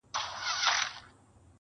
o اوس چي راسي خو په څنګ را نه تېرېږي,